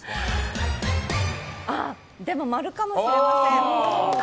でも、○かもしれません。